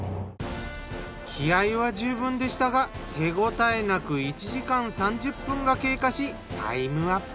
気合いは十分でしたが手応えなく１時間３０分が経過しタイプアップ。